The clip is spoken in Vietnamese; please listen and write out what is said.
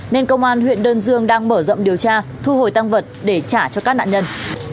nên công an huyện đơn dương đang mở rộng điều tra thu hồi tăng vật để trả cho các nạn nhân